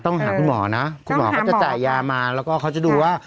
ต้องหาคุณหมอนะต้องหาหมอคุณหมอก็จะจ่ายยามาแล้วก็เขาจะดูว่า